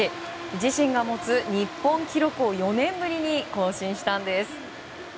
自身が持つ日本記録を４年ぶりに更新したんです。